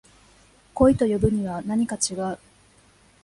恋と呼ぶにはなにか違う